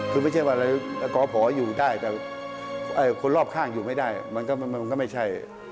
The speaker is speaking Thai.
คือไม่ใช่ว่าอะไรกอพออยู่ได้แต่คนรอบข้างอยู่ไม่ได้มันก็ไม่ใช่